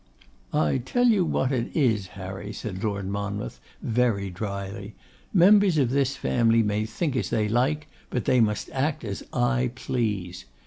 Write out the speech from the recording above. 'I tell you what it is, Harry,' said Lord Monmouth, very drily, 'members of this family may think as they like, but they must act as I please.